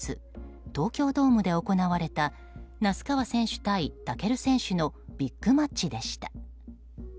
東京ドームで行われた那須川選手対武尊選手のビッグマッチでした。